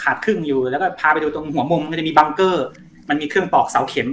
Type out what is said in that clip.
แล้วแล้วแล้วแล้วแล้วแล้วแล้ว